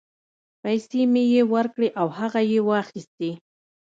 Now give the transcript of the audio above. پیسې مې یې ورکړې او هغه یې واخیستې.